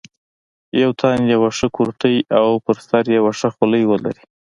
پر تن یوه ښه کورتۍ او پر سر یوه ښه خولۍ ولري.